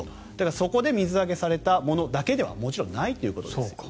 そこで水揚げされたものだけではもちろんないということです。